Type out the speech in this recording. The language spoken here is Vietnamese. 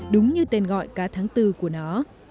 đúng như tên gọi cả tháng bốn của nó